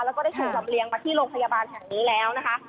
แล้วก็ได้ถูกลำเลียงมาที่โรงพยาบาลแห่งนี้แล้วนะคะ